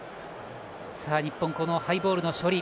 日本、ハイボールの処理。